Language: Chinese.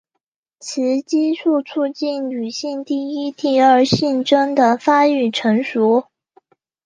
雌激素促进女性第一第二性征的发育成熟。